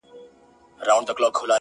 انعامونه درکومه په سل ګوني؛